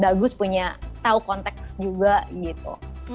bagus punya tahu konteks juga gitu